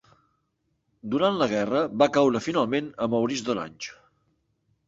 Durant la guerra, va caure finalment a Maurice d'Orange.